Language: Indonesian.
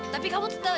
tapi kamu tuh tau